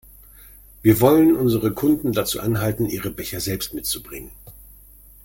Wir wollen unsere Kunden dazu anhalten, ihre Becher selbst mitzubringen.